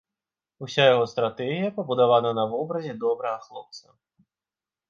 Уся яго стратэгія пабудаваная на вобразе добрага хлопца.